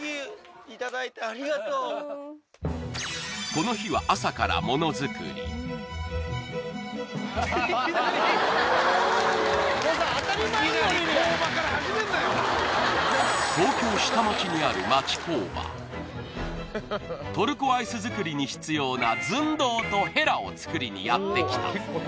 この日は朝から東京下町にある町工場トルコアイス作りに必要な寸胴とへらを作りにやってきた